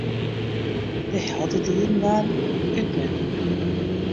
De heldendieden waarden útmetten.